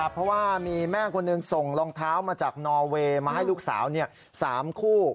เพราะว่ามีแม่คนหนึ่งส่งรองเท้ามาจากนอเวย์มาให้ลูกสาว๓คู่